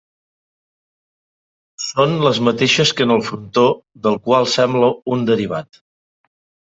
Són les mateixes que en el frontó, del qual sembla un derivat.